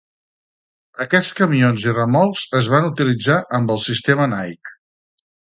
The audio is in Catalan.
Aquests camions i remolcs es van utilitzar amb el sistema Nike.